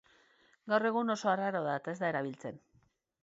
Gaur egun oso arraroa da eta ez da erabiltzen.